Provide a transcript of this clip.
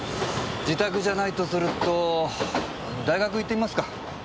自宅じゃないとすると大学行ってみますか？